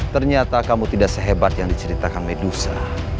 ternyata kamu tidak sehebat yang diceritakan medusa